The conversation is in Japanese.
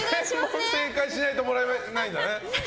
全問正解しないともらえないんだね。